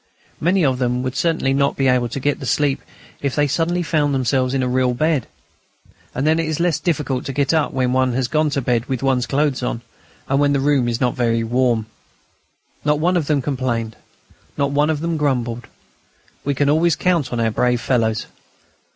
Many of them would certainly not be able to get to sleep if they suddenly found themselves in a real bed. And then it is less difficult to get up when one has gone to bed with one's clothes on, and when the room is not very warm. Not one of them complained; not one of them grumbled. We can always count on our brave fellows.